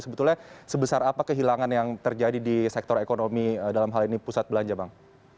sebetulnya sebesar apa kehilangan yang terjadi di sektor ekonomi dalam hal ini pusat belanja bang